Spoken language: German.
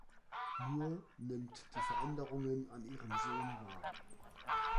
Moore nimmt die Veränderungen an ihrem Sohn wahr.